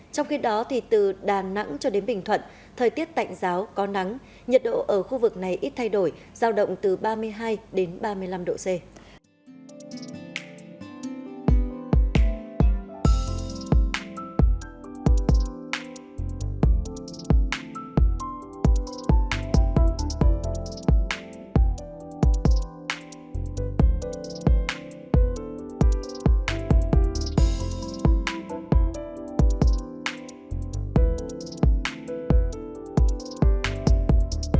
trong khi đó thì từ đà nẵng cho đến bình thuận thời tiết tạnh giáo có nắng nhiệt độ ở khu vực này ít thay đổi giao động từ ba mươi hai ba mươi năm độ c